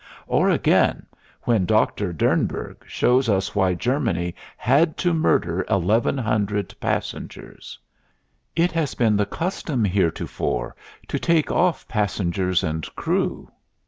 Or again, when Doctor Dernburg shows us why Germany had to murder eleven hundred passengers: "It has been the custom heretofore to take off passengers and crew....